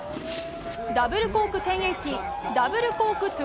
ダブルコーク１０８０